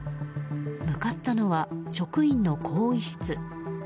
向かったのは職員の更衣室。